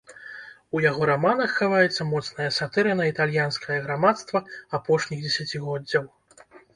У яго раманах хаваецца моцная сатыра на італьянскае грамадства апошніх дзесяцігоддзяў.